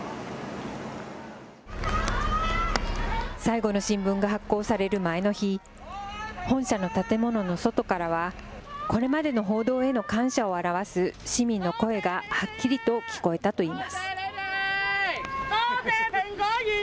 最後の新聞が発行される前の日、本社の建物の外からは、これまでの報道への感謝を表す市民の声がはっきりと聞こえたといいます。